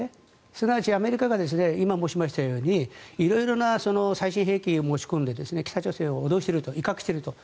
すなわちアメリカが今、申しましたように色々な最新兵器を持ち込んで北朝鮮を脅している威嚇していると。